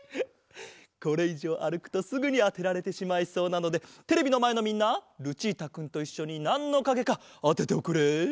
これいじょうあるくとすぐにあてられてしまいそうなのでテレビのまえのみんなルチータくんといっしょになんのかげかあてておくれ。